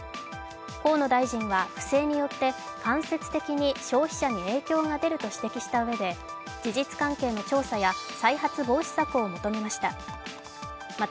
河野大臣は不正によって間接的に消費者に影響が出るとしたうえで事実関係の調査や再発防止策を求めました。